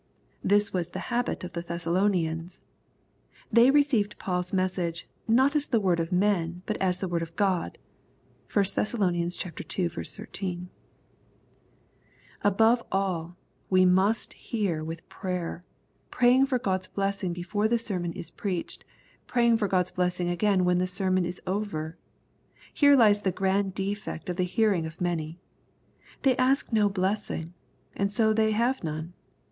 This was the habit of the Thessalonians. They received Paul's message, "not as the word of men, but the word of God." (1 Thess. ii. 13.) — Above all, we must hear with prayer, praying for God's blessing before the sermon is preached, praying for God's blessing again when the sermon is over. Here lies the grand defect of the hearing of many. They ask no blessing, and so they have none.